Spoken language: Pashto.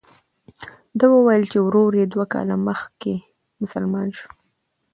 ده وویل چې ورور یې دوه کاله مخکې مسلمان شو.